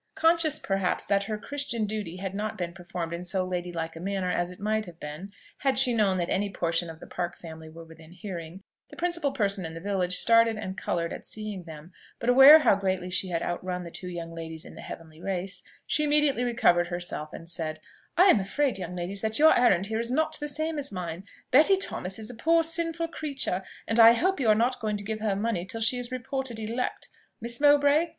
Conscious, perhaps, that her Christian duty had not been performed in so lady like a manner as it might have been, had she known that any portion of the Park family were within hearing, the principal person in the village started and coloured at seeing them; but, aware how greatly she had outrun the two young ladies in the heavenly race, she immediately recovered herself and said, "I am afraid, young ladies, that your errand here is not the same as mine. Betty Thomas is a poor sinful creature, and I hope you are not going to give her money till she is reported elect, Miss Mowbray?